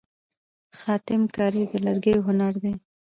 خاتم کاري د لرګیو هنر دی.